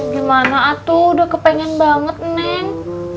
gimana aku udah kepengen banget neng